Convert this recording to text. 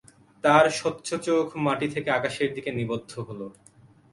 তার স্বচ্ছ চোখ মাটি থেকে আকাশের দিকে নিবদ্ধ হল।